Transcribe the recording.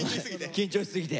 緊張しすぎて。